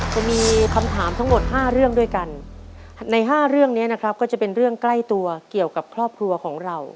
จะมีคำถามทั้งหมดห้าเรื่องด้วยกันในห้าเรื่องนี้นะครับก็จะเป็นเรื่องใกล้ตัวเกี่ยวกับครอบครัวของเรา